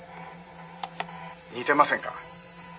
「似てませんか？」